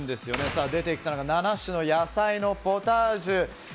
出てきたのが７種の野菜のポタージュ。